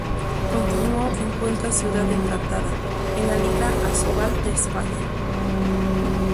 Continuó en Cuenca Ciudad Encantada, en la Liga Asobal de España.